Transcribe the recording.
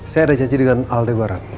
saya ada janji dengan aldebaran